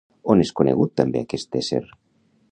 On és conegut també aquest ésser?